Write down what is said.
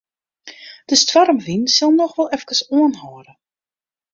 De stoarmwyn sil noch wol efkes oanhâlde.